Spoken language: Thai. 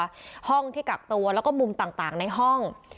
ที่กักตัวห้องที่กักตัวแล้วก็มุมต่างต่างในห้อง